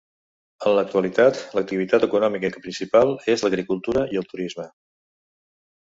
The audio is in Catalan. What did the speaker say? En l'actualitat, l'activitat econòmica principal és l'agricultura i el turisme.